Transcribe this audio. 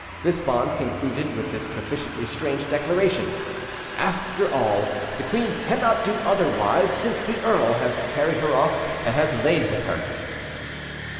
This bond concluded with this sufficiently strange declaration: "After all, the queen cannot do otherwise, since the earl has carried her off and has lain with her."